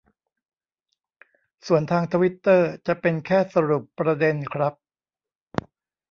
ส่วนทางทวิตเตอร์จะเป็นแค่สรุปประเด็นครับ